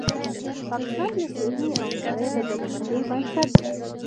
پاکستان د سیمې او نړۍ د بدمرغۍ بنسټ دی